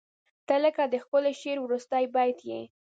• ته لکه د ښکلي شعر وروستی بیت یې.